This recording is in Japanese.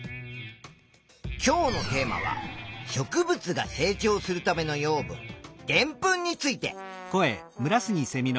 今日のテーマは植物が成長するための養分でんぷんについて。